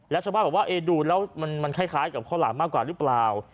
แล้วชาวบ้านบอกว่าเออดูแล้วมันมันคล้ายคล้ายกับข้อหลักมากกว่าหรือเปล่า